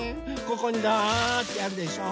ここにザーってやるでしょ。